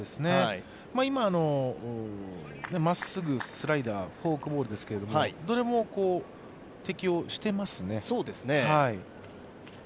今、まっすぐ、スライダー、フォークボールですけどどれも適応していますね。